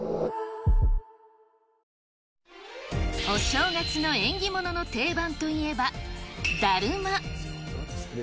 お正月の縁起物の定番といえば、だるま。